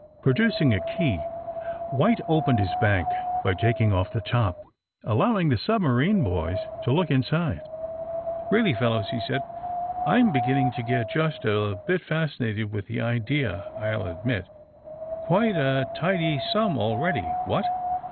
'' Producing a key, White opened his bank by taking off the top, allowing the submarine boys to look inside, ^'Keally, fellows," he said. *^I'm beginning to get just a bit fascinated with the idea, I '11 ad mit. Quite a tidy sum already. What!"